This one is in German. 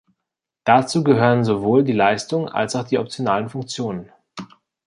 Dazu gehören sowohl die Leistung als auch die optionalen Funktionen.